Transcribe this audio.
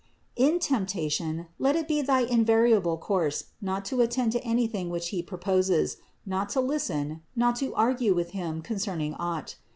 356. In temptation let it be thy invariable course not to attend to anything which he proposes, not to listen, not to argue with him concerning aught.